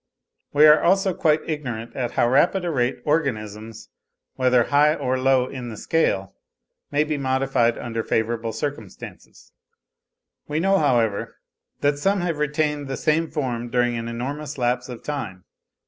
We are also quite ignorant at how rapid a rate organisms, whether high or low in the scale, may be modified under favourable circumstances; we know, however, that some have retained the same form during an enormous lapse of time.